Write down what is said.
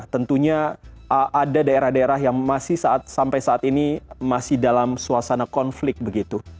tentunya ada daerah daerah yang masih sampai saat ini masih dalam suasana konflik begitu